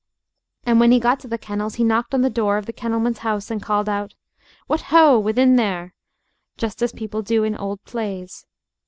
And when he got to the kennels he knocked on the door of the kennelman's house and called out, "What ho! within there!" just as people do in old plays.